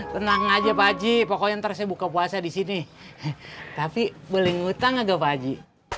tenang aja pak haji pokoknya ntar saya buka puasa di sini tapi boleh ngutang aja pak haji